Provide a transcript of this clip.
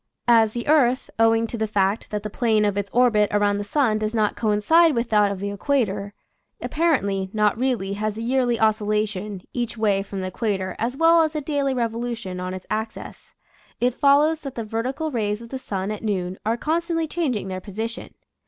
As the earth — owing to the fact that the plane of its orbit around the sun does not coincide with that of the equator, apparently (not really) has a yearly oscillation each way from the equator as well as a daily revolution on its axis, it follows that the vertical rays of the sun at noon are constantly changing their position.